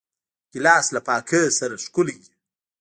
ګیلاس له پاکۍ سره ښکلی وي.